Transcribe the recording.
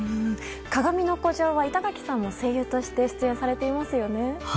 「かがみの孤城」は板垣さんも声優として出演されていますよね。